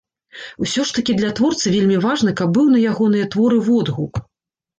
Усё ж такі для творцы вельмі важна, каб быў на ягоныя творы водгук.